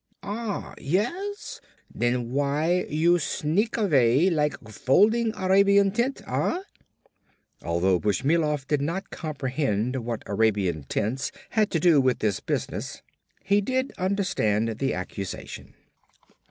"Ah. Yes? Then why you sneak away like folding Arabian tent? Ah!" Although Bushmilov did not comprehend what Arabian tents had to do with this business he did understand the accusation.